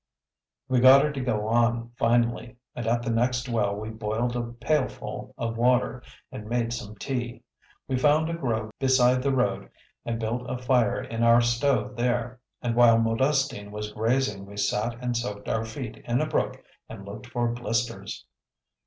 We got her to go on finally, and at the next well we boiled a pailful of water and made some tea. We found a grove beside the road and built a fire in our stove there, and while Modestine was grazing we sat and soaked our feet in a brook and looked for blisters.